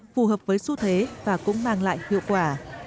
phù hợp với xu thế và cũng mang lại hiệu quả